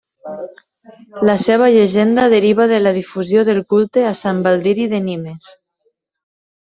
La seva llegenda deriva de la difusió del culte a Sant Baldiri de Nimes.